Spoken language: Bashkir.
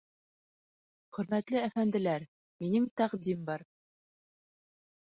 — Хөрмәтле әфәнделәр, минең тәҡдим бар.